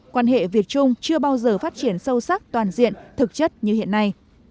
quan hệ việt trung chưa bao giờ phát triển sâu sắc toàn diện thực chất như hiện nay